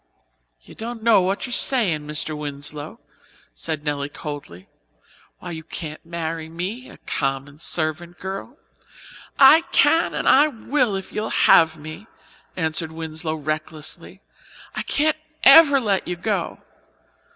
"You don't know what you're sayin', Mr. Winslow," said Nelly coldly. "Why, you can't marry me a common servant girl." "I can and I will, if you'll have me," answered Winslow recklessly. "I can't ever let you go.